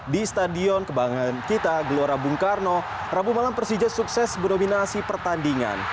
di stadion kebanggaan kita gelora bung karno rabu malam persija sukses berdominasi pertandingan